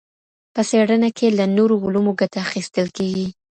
په څېړنه کې له نورو علومو ګټه اخیستل کیږي.